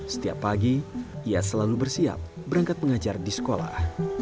setiap pagi ia selalu bersiap berangkat mengajar di sekolah